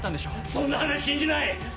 そんな話信じない！